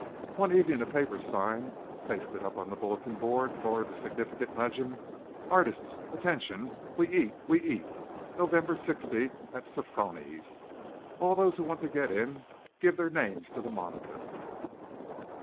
One evening a paper sign pasted up on the bulletin board bore the significant legend: "Artists! Attention! We eat! We eat! Nov. 16th. at Sofroni's. All those who want to get in give their names to the monitor."